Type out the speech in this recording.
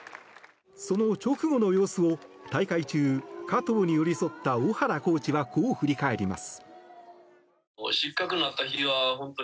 その直後の様子を大会中加藤に寄り添った小原コーチはこう振り返ります。